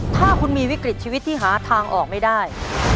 ถ้าคุณมีวิกฤตชีวิตที่หาทางออกไม่ได้